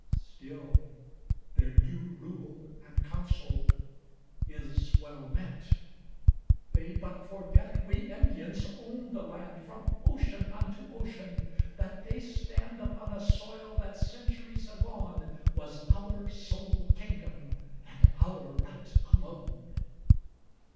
Still their new rule and council is well meant. They but forget we Indians owned the land From ocean unto ocean; that they stand Upon a soil that centuries agone Was our sole kingdom and our right alone.